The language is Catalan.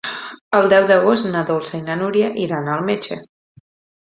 El deu d'agost na Dolça i na Núria iran al metge.